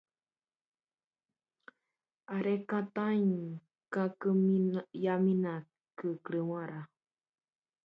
Salón de Otoño.